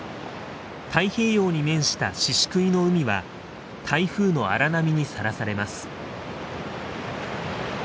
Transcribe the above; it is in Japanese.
太平洋に面した宍喰の海は台風の荒波にさらされます。